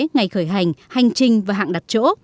ngày khởi hành hành trình và hạng đặt chỗ